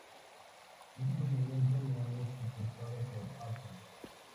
Este procedimiento no es soportado por Apple.